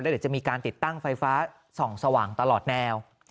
เดี๋ยวจะมีการติดตั้งไฟฟ้าส่องสว่างตลอดแนว